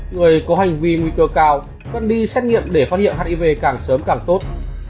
người có hành vi nguy cơ cao cần đi xét nghiệm để phát hiện hiv càng sớm càng tốt